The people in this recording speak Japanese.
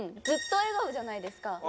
ずっと笑顔じゃないですか。